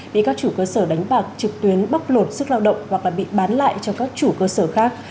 để các chủ cơ sở đánh bạc trực tuyến bóc lột sức lao động hoặc bị bán lại cho các chủ cơ sở khác